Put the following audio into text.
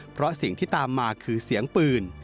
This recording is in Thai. เพราะสิ่งที่ตามมาคือเสียงปืน